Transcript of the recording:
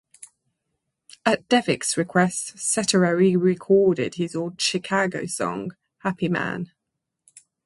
At Devick's request, Cetera re-recorded his old Chicago song, "Happy Man".